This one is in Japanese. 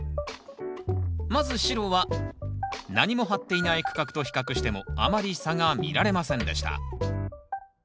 まず白は何も張っていない区画と比較してもあまり差が見られませんでした。